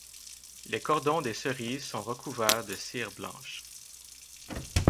Les cordons des cerises sont recouverts de cire blanche.